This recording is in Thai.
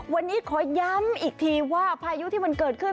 วันนี้ขอย้ำอีกทีว่าพายุที่มันเกิดขึ้น